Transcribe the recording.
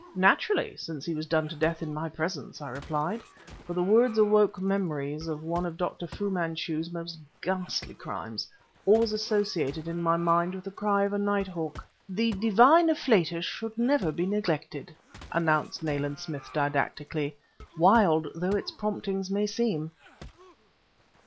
"Naturally; since he was done to death in my presence," I replied; for the words awoke memories of one of Dr. Fu Manchu's most ghastly crimes, always associated in my mind with the cry of a night hawk. "The divine afflatus should never be neglected," announced Nayland Smith didactically, "wild though its promptings may seem."